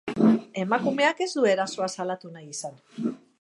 Emakumeak ez du erasoa salatu nahi izan.